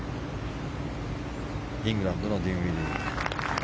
イングランドのディンウィディー。